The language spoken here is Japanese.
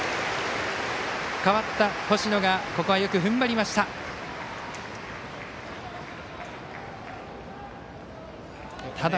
代わった星野がここはよく踏ん張りました。